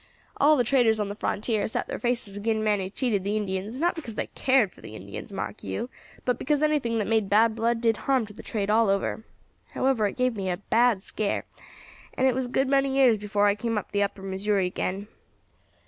All the traders on the frontier set their faces agin men who cheated the Indians, not because they cared for the Indians, mark you, but because anything that made bad blood did harm to the trade all over. However, it gave me a bad scare, and it was a good many years before I came up the Upper Missouri again.